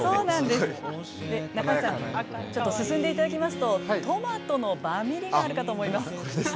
中川さん、進んでいただきますとトマトのバミリがあるかと思います。